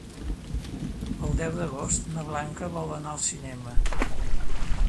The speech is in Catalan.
El deu d'agost na Blanca vol anar al cinema.